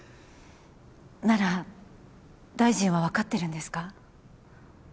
なら大臣はわかってるんですか？